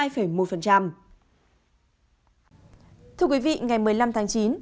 thưa quý vị ngày một mươi năm tháng chín